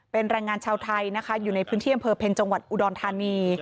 เป็นแรงงานชาวไทยนะคะอยู่ในพื้นที่อำเภอเพ็ญจังหวัดอุดรธานี